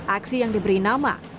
aksi yang diberi nama